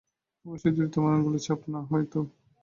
অবশ্যই যদি তোমার আঙুলের ছাপ না হয় তো।